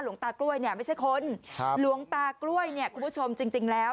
หลวงตากล้วยไม่ใช่คนหลวงตากล้วยคุณผู้ชมจริงแล้ว